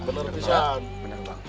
benar pak san